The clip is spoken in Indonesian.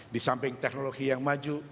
disamping teknologi yang maju